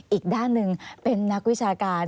อีกด้านหนึ่งเป็นนักวิชาการ